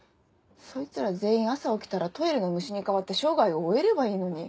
そいつら全員朝起きたらトイレの虫に変わって生涯を終えればいいのに。